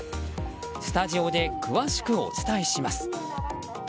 スタジオで詳しくお伝えします。